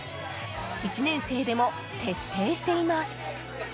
１年生でも徹底しています。